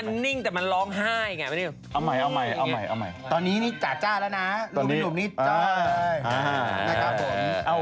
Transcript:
เดินทางมาชั่วโมงครึ่งนะ